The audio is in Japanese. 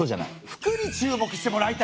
服に注目してもらいたいんですよ！